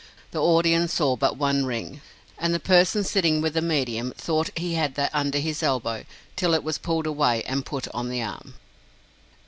The audience saw but one ring, and the person sitting with the medium thought he had that under his elbow till it was pulled away and put on the arm!